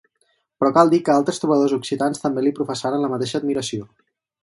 Però cal dir que altres trobadors occitans també li professaren la mateixa admiració.